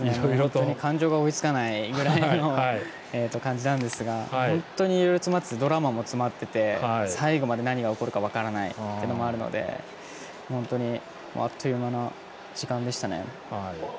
本当に感情が追いつかないぐらいの感じなんですが本当に、いろいろ詰まっててドラマも詰まってて最後まで何が起こるか分からないというのもあるのであっという間の時間でしたね。